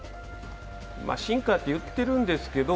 シンカーと言ってるんですけど